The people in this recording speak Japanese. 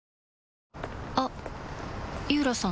あっ井浦さん